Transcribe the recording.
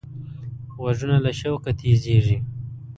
غوږونه له شوقه تیزېږي